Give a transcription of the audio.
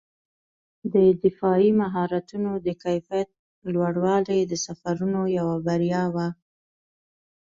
د دفاعي مهارتونو د کیفیت لوړوالی یې د سفرونو یوه بریا وه.